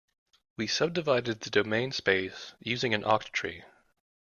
We subdivide the domain space using an octree.